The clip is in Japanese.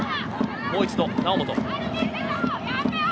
もう一度、猶本。